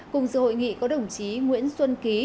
cùng sự hội nghị có đồng chí nguyễn xuân ký